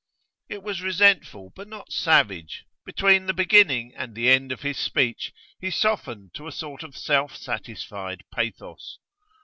It was resentful, but not savage; between the beginning and the end of his speech he softened to a sort of self satisfied pathos.